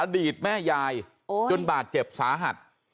อดีตแม่ยายจนบาดเจ็บสาหัส